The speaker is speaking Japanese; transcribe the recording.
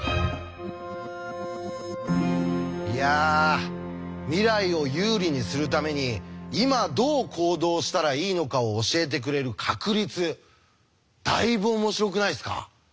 いや未来を有利にするために今どう行動したらいいのかを教えてくれる確率。だいぶ面白くないですか？